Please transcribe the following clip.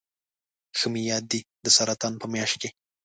ښه مې یاد دي د سرطان په میاشت کې.